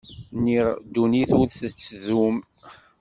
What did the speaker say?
Niɣ ddunit ur tettdum.